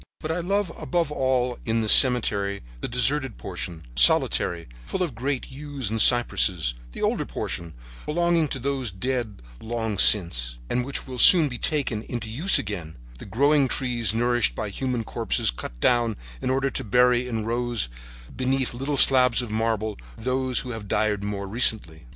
"But I love above all in this cemetery the deserted portion, solitary, full of great yews and cypresses, the older portion, belonging to those dead long since, and which will soon be taken into use again; the growing trees nourished by the human corpses cut down in order to bury in rows beneath little slabs of marble those who have died more recently.